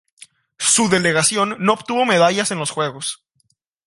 Su delegación no obtuvo medallas en los juegos.